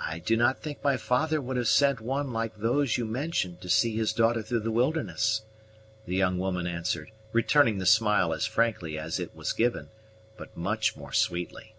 "I do not think my father would have sent one like those you mention to see his daughter through the wilderness," the young woman answered, returning the smile as frankly as it was given, but much more sweetly.